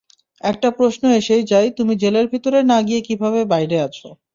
একটা প্রশ্ন এসেই যায় তুমি জেলের ভিতরে না গিয়ে কিভাবে বাইরে আছ।